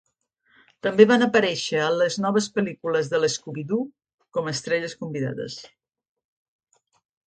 També van aparèixer a Les noves pel·lícules de l'Scooby-Doo com a estrelles convidades.